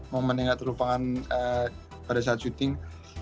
momen yang tidak terlupakan pada saat syuting